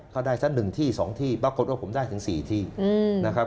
เขาได้ซะหนึ่งที่สองที่ปรากฏว่าผมได้ถึงสี่ที่นะครับ